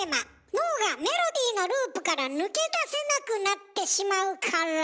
脳が「メロディーのループ」から抜け出せなくなってしまうからたぶん。